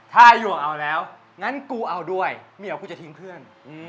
ถ้าหยวกเอาแล้วงั้นกูเอาด้วยเหมียวกูจะทิ้งเพื่อน